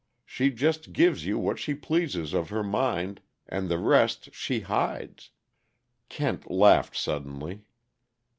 She just gives you what she pleases of her mind, and the rest she hides " Kent laughed suddenly.